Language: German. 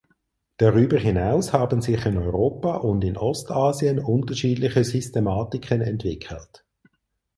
Darüber hinaus haben sich in Europa und in Ostasien unterschiedliche Systematiken entwickelt.